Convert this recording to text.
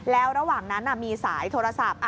แล้วระหว่างนั้นมีสายโทรศัพท์